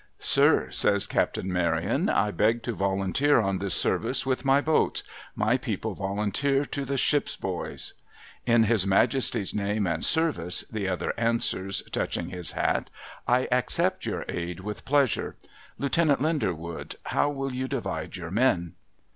' Sir,' says Captain Maryon, ' I beg to volunteer on this service, with my boats. My people volunteer, to the ship's boys.' ' In His Majesty's name and service,' the other answers, touching his hat, ' I accept your aid with pleasure. • Lieutenant Linderwood, how will you divide your men